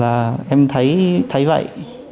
là em thấy vậy